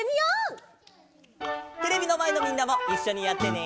テレビのまえのみんなもいっしょにやってね！